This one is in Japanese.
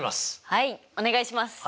はいお願いします。